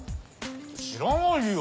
知らないよ。